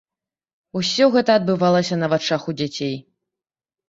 Усё гэта адбывалася на вачах у дзяцей.